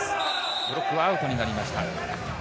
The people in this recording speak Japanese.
ブロックアウトになりました。